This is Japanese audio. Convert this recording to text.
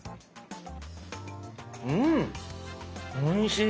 うんおいしい。